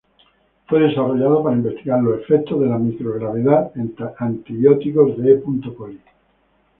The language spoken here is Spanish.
Fue desarrollado para investigar los efectos de la microgravedad en antibióticos de E. coli.